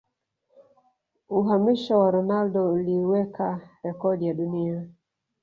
Uhamisho wa Ronaldo uliweka rekodi ya dunia